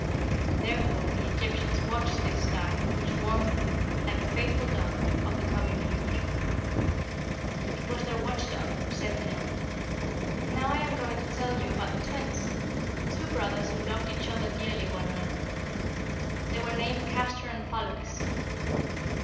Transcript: Therefore the Egyptians watched this star, which warned them, like a faithful dog, of the coming deluge. It was their watch dog or sentinel. "Now I am going to tell you about the Twins, two brothers who loved each other dearly while on earth. They were named Castor and Pollux.